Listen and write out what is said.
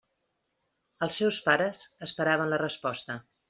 Els seus pares esperaven la resposta.